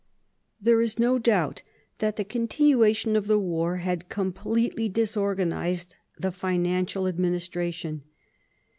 There is no doubt that the continuation of the war had completely disorganised the financial administration.